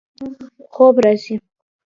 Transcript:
خوب راغی.